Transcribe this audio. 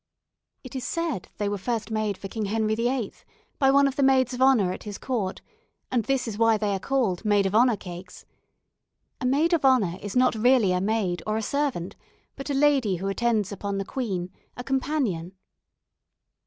It is said they were first made for King Henry VIII., by one of the Maids of Honor at his court, and this is why they are called "Maid of Honor" cakes. A Maid of Honor is not really a maid or a servant, but a lady who attends upon the queen a companion.